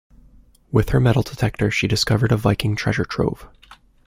With her metal detector she discovered a Viking treasure trove.